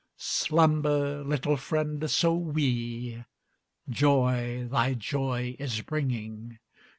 Slumber, little friend so wee; Joy thy joy is bringing.